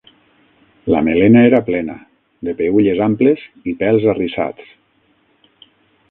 La melena era plena, de peülles amples i pèls arrissats.